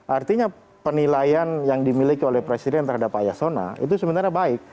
artinya penilaian yang dimiliki oleh presiden terhadap pak yasona itu sebenarnya baik